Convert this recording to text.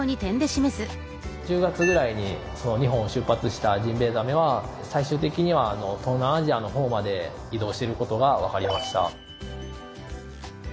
１０月ぐらいに日本を出発したジンベエザメは最終的には東南アジアの方まで移動していることが分かりました。